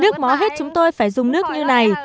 nước mó hết chúng tôi phải dùng nước như này